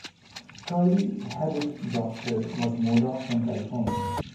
Curley Headed Doctor was Modoc from California.